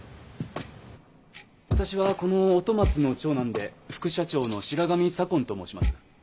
私はこの音松の長男で副社長の白神左紺と申します。